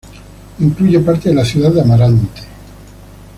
Incluye parte de la ciudad de Amarante.